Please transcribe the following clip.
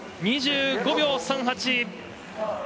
２５秒３８。